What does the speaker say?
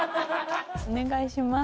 お願いします。